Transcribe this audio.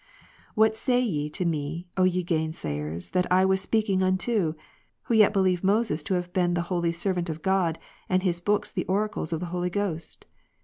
22. " What say ye to me, O ye gainsayers that I was speaking unto, who yet believe Moses to have been the holy servant of God, and his books the oracles of the Holy Ghost?